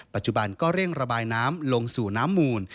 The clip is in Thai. ปัจจุบันก็เร่งระบายน้ำลงสู่น้ำมูล